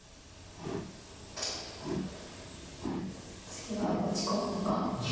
次は打ち込むのか。